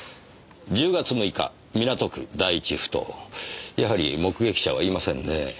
「１０月６日港区第１埠頭」やはり目撃者はいませんねえ。